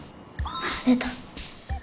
出た！